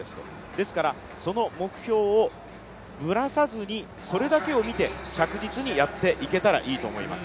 ですからその目標をぶらさずに、それだけを見て着実にやっていけたらいいと思います。